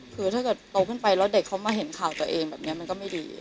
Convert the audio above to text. คือถ้าเกิดโตขึ้นไปแล้วเด็กเขามาเห็นข่าวตัวเองแบบนี้มันก็ไม่ดี